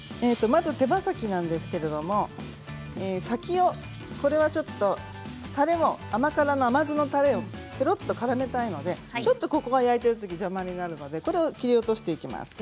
まず手羽先なんですけどこれは甘辛の甘酢のたれをからめたいのでちょっとここが焼いているときに邪魔になるので切り落としていきます。